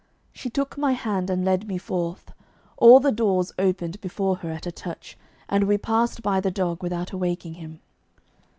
She took my hand and led me forth. All the doors opened before her at a touch, and we passed by the dog without awaking him.